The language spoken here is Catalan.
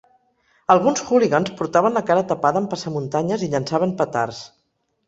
Alguns hooligans portaven la cara tapada amb passamuntanyes i llançaven petards.